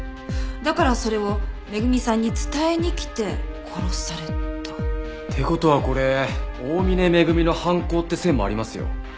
だからそれを恵さんに伝えに来て殺された？って事はこれ大峰恵の犯行って線もありますよ。